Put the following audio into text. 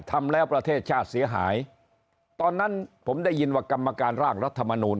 ทำแล้วประเทศชาติเสียหายตอนนั้นผมได้ยินว่ากรรมการร่างรัฐมนูล